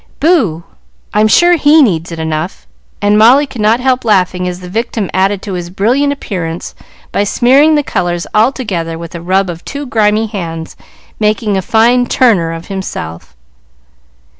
"Boo I'm sure he needs it enough;" and Molly could not help laughing as the victim added to his brilliant appearance by smearing the colors all together with a rub of two grimy hands, making a fine "Turner" of himself.